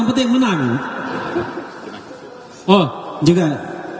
kami mengucapkan terima kasih